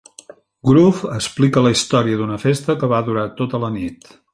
"Groove" explica la història d'una festa que va durar tota la nit.